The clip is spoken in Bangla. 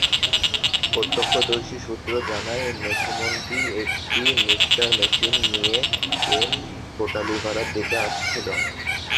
প্রত্যক্ষদর্শী সূত্র জানায়, নছিমনটি একটি মিক্সচার মেশিন নিয়ে কোটালীপাড়ার দিকে আসছিল।